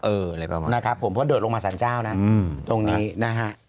เออเลยป่ะหมูนะครับผมเพราะว่าเดินลงมาสรรเจ้านะตรงนี้นะฮะ